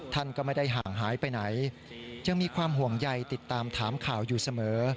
ท่านก็ไม่ได้ห่างหายไปไหนยังมีความห่วงใยติดตามถามข่าวอยู่เสมอ